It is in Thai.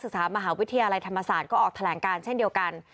ศึกษามหาวิทยาลัยธรรมศาสตร์ก็ออกแถลงการเช่นเดียวกัน